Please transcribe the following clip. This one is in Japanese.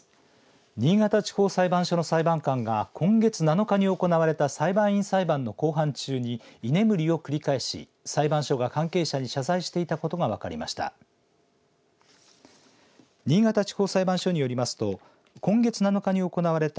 新潟地方裁判所の裁判官が今月７日に行われた裁判員裁判の公判中に居眠りを繰り返し裁判所が関係者に謝罪していたことが分かりました。